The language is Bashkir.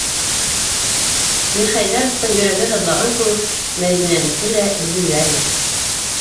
Мирхәйҙәровтың йөрәге һыҙлаған кеүек, Мәҙинәнеке лә өҙөләлер.